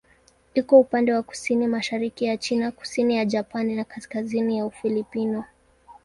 Iko upande wa kusini-mashariki ya China, kusini ya Japani na kaskazini ya Ufilipino.